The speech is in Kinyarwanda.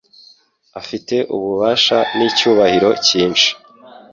afite ububasha n'icyubahiro cyinshi.